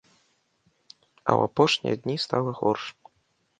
А ў апошнія дні стала горш.